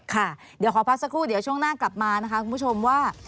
ค่ะเดี๋ยวขอพักสักครู่เดี๋ยวช่วงหน้ากลับมานะคะคุณผู้ชมว่า